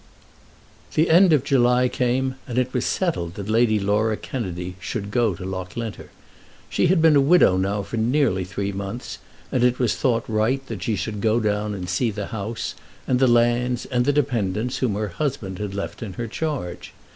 The end of July came, and it was settled that Lady Laura Kennedy should go to Loughlinter. She had been a widow now for nearly three months, and it was thought right that she should go down and see the house, and the lands, and the dependents whom her husband had left in her charge.